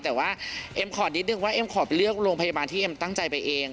แต่ว่าเอ็มขอนิดนึงว่าเอ็มขอไปเลือกโรงพยาบาลที่เอ็มตั้งใจไปเอง